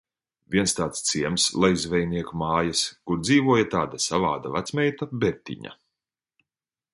"Viens tāds ciems "Lejzveinieku" mājas, kur dzīvoja tāda savāda vecmeita, Bertiņa."